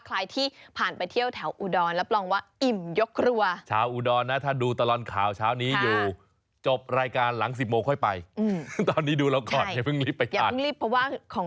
ใครที่ผ่านไปเที่ยวแถวอูดอนแล้วปลอมว่าอิ่มยกรัว